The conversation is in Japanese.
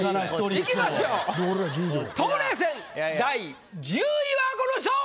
いきましょう冬麗戦第１０位はこの人！